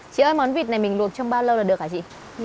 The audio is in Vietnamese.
chị ơi món vịt này mình luộc trong bao lâu là được hả chị